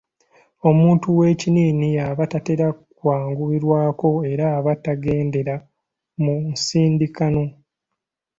Omuntu ow'ekinnini y'aba tatera kwanguyirwako era aba tagendera mu nsindikagano.